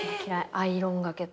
アイロンがけと。